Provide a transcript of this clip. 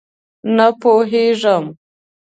_نه پوهېږم.